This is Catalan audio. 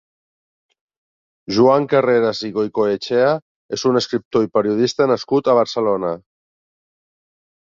Joan Carreras i Goicoechea és un escriptor i periodista nascut a Barcelona.